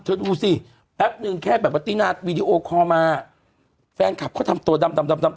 ดูสิแป๊บนึงแค่แบบว่าตินาวีดีโอคอลมาแฟนคลับเขาทำตัวดำดำดำ